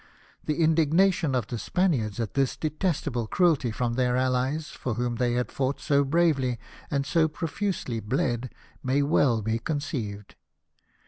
The indignation of the Spaniards at this detestable cruelty from their allies, for whom they had fought so bravely and so profusely bled, may well be conceived.